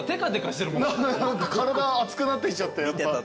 体熱くなってきちゃって。